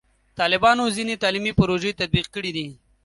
طالبانو ځینې تعلیمي پروژې تطبیق کړي دي.